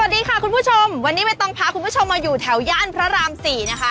สวัสดีค่ะคุณผู้ชมวันนี้ใบตองพาคุณผู้ชมมาอยู่แถวย่านพระรามสี่นะคะ